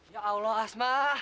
ya allah asma